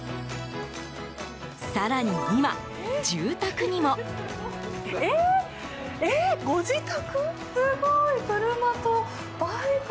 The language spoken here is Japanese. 更に今、住宅にも。え、ご自宅？